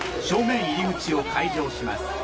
正面入り口を解錠します